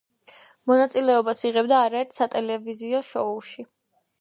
მონაწილეობას იღებდა არაერთ სატელევიზიო შოუში.